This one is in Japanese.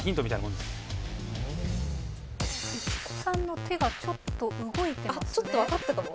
市古さんの手がちょっと動いてますね。